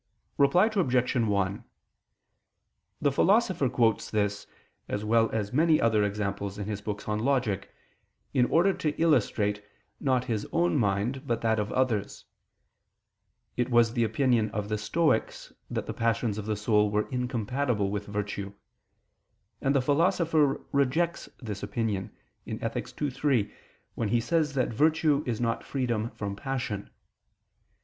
Reply Obj. 1: The Philosopher quotes this, as well as many other examples in his books on Logic, in order to illustrate, not his own mind, but that of others. It was the opinion of the Stoics that the passions of the soul were incompatible with virtue: and the Philosopher rejects this opinion (Ethic. ii, 3), when he says that virtue is not freedom from passion.